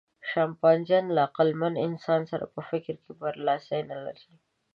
شامپانزي له عقلمن انسان سره په فکر کې برلاسی نهلري.